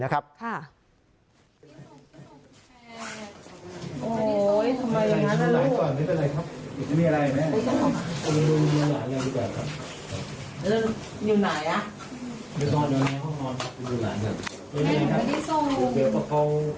คุณเบียบเข้ายังไงแล้วลูก